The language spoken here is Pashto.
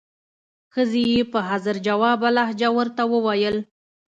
ښځې یې په حاضر جوابه لهجه ورته وویل.